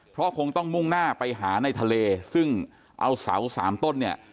เพราะคงต้องมุ่งหน้าไปหาในทะเลซึ่งเอาเสาสามต้นเนี่ย